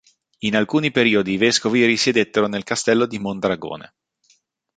In alcuni periodi i vescovi risiedettero nel castello di Mondragone.